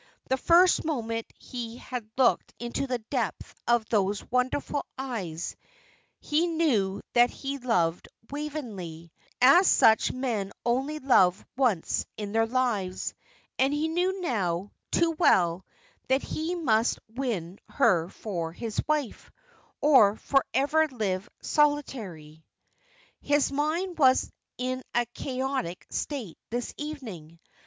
The first moment he had looked into the depth of those wonderful eyes he knew that he loved Waveney, as such men only love once in their lives; and he knew now, too well, that he must win her for his wife, or for ever live solitary. His mind was in a chaotic state this evening.